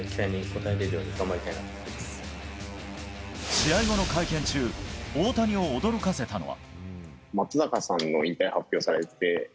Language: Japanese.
試合後の会見中大谷を驚かせたのは。